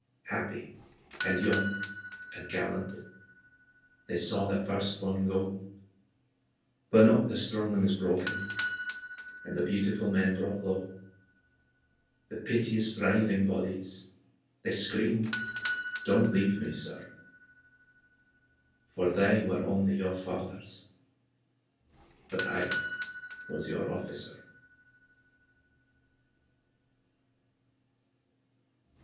Happy and young and gallant, They saw their first bom go, 41 But not the strong limbs broken And the beautiful men brought low, The piteous writhing bodies, The screamed, " Don't leave me, Sir," For they were only your fathers But I was your officer.